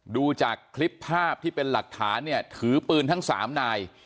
ดูจากคลิปภาพที่เป็นหลักฐานเนี่ยถือปืนทั้ง๓นาย